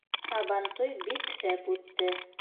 Һабантуй бик шәп үтте.